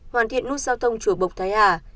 hoàn thiện nút sao thông chùa bộc thái hà